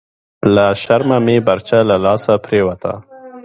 لهٔ شرمه مې برچه لهٔ لاسه پریوته… »